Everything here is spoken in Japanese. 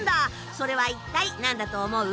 それは一体何だと思う？